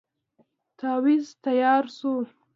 تاويذ تیار شو.